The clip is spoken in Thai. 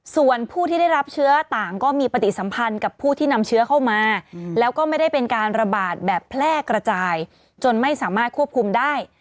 ส่วนผู้ที่ได้รับเชื้อต่างก็มีปฏิสัมพันธ์กับผู้ที่นำเชื้อเข้ามาแล้วก็ไม่ได้เป็นการระบาดแบบแพร่กระจายจนไม่สามารถควบคุมได้